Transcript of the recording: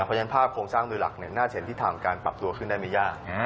เพราะฉะนั้นภาพโครงสร้างโดยหลักน่าจะเป็นทิศทางการปรับตัวขึ้นได้ไม่ยาก